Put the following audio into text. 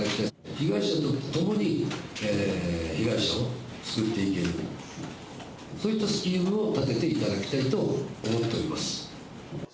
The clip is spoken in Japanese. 被害者とともに被害者を救っていける、そういったスキームを立てていただきたいと思っております。